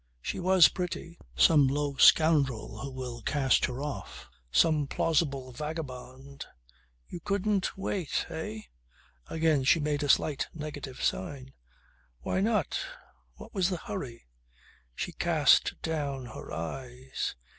She was pretty. Some low scoundrel who will cast her off. Some plausible vagabond ... "You couldn't wait eh?" Again she made a slight negative sign. "Why not? What was the hurry?" She cast down her eyes.